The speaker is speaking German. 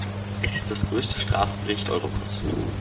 Es ist das größte Strafgericht Europas.